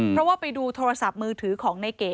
เพราะว่าไปดูโทรศัพท์มือถือของในเก๋